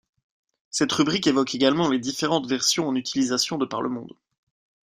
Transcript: Cette rubrique évoque également les différents versions en utilisations de par le monde.